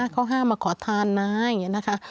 เขาห้ามมาขอทานนะอย่างนี้นะคะ